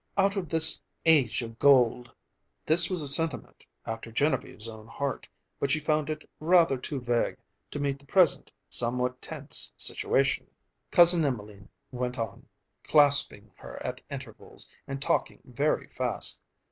out of this Age of Gold!" This was a sentiment after Genevieve's own heart, but she found it rather too vague to meet the present somewhat tense situation. Cousin Emelene went on, clasping her at intervals, and talking very fast.